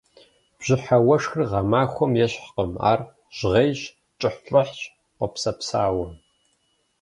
Бжьыхьэ уэшхыр гъэмахуэм ещхькъым, ар жьгъейщ, кӏыхьлӏыхьщ, къопсэпсауэ.